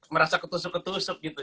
merasa ketusuk ketusuk gitu